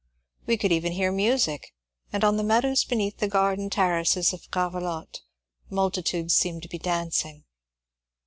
We could even hear music, and on the meadows beneath the garden ter races of Gravelotte multitudes seemed to be dancing.